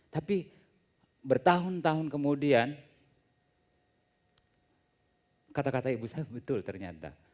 tapi bertahun tahun kemudian kata kata ibu saya betul ternyata